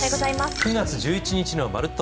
９月１１日の「まるっと！